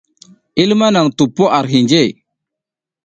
I luma naƞ tuppo ara hinje.